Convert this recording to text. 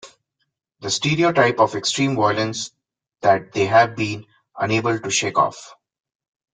The stereotype of extreme violence that they have been unable to shake off?